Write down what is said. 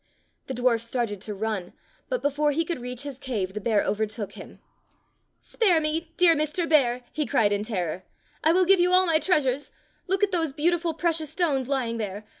The dwarf started to run, but before he could reach his cave the bear overtook him. "Spare me, dear Mr. Bear," he cried in terror. "I will give you all my treasures. Look at those beautiful precious stones lying there.